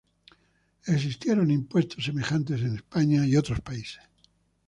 Existieron impuestos semejantes en España y otros países.